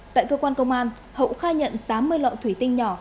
tại cơ quan công an hậu khai nhận tám mươi lọ thủy tinh nhỏ